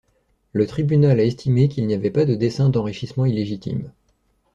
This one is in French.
Le tribunal a estimé qu'il n'y avait pas de dessein d'enrichissement illégitime.